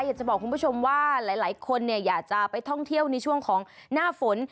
อยากจะบอกคุณผู้ชมว่าหลายคนอยากจะไปท่องเที่ยวในช่วงของหน้าฝน